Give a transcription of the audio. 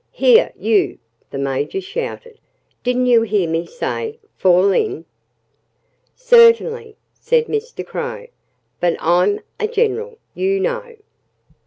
"Here, you!" the Major shouted. "Didn't you hear me say 'Fall in?'" "Certainly!" said Mr. Crow. "But I'm a general, you know."